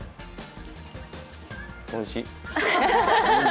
おいしい。